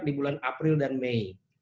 di bulan april dan mei